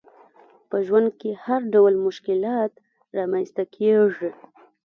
په ژوند کي هرډول مشکلات رامنځته کیږي